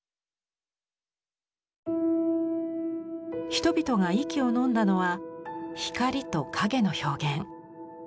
人々が息をのんだのは光と影の表現。